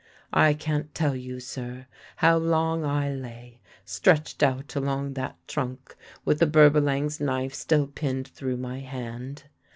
"I can't tell you, sir, how long I lay stretched out along that trunk, with the Berbalang's knife still pinned through my hand.